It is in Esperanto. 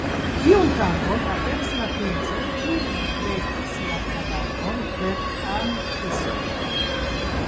Iun tagon aperis la Princo, kiu vekis la kadavron per am-kiso.